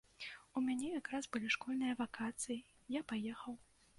У мяне якраз былі школьныя вакацыі, я паехаў.